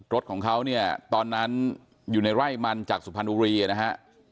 รถของเขาเนี่ยตอนนั้นอยู่ในไร่มันจากสุพรรณบุรีนะฮะ